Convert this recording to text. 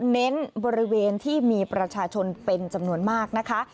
เน้นบริเวณที่มีประชาชนเป็นจำนวนมากนะคะ